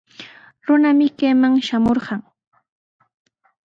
Runami kayman shamurqun.